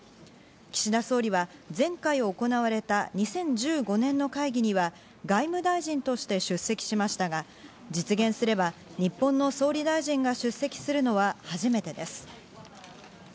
岸田総理は前回行われた２０１５年の会議には外務大臣として出席しましたが、実現すれば日本の総理大臣が出席するのは初めてです。